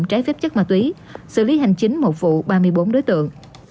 trái phép chất ma túy xử lý hành chính một vụ ba mươi bốn đối tượng